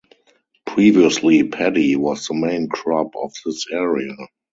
Previously paddy was the main crop of this area.